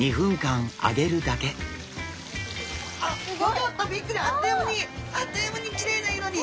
ギョギョッとびっくりあっという間にあっという間にキレイな色に！